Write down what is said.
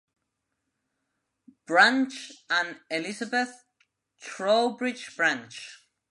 Branch and Elizabeth Trowbridge Branch.